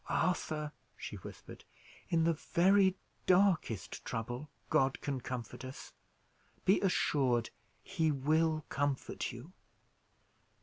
"Arthur," she whispered, "in the very darkest trouble, God can comfort us. Be assured He will comfort you."